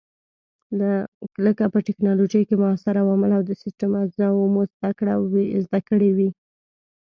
لکه په ټېکنالوجۍ کې موثر عوامل او د سیسټم اجزاوې مو زده کړې وې.